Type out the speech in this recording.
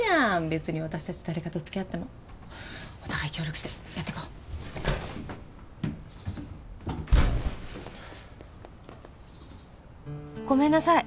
別に私達誰かと付き合ってもお互い協力してやっていこう「ごめんなさい！